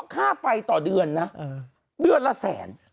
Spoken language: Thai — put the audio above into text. ค่าไฟต่อเดือนนะเดือนละแสน